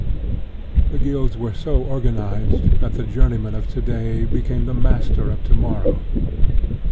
The guilds were so organized that the journey man of to day became the master of to morrow.